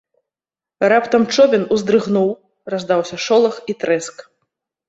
Раптам човен уздрыгнуў, раздаўся шолах і трэск.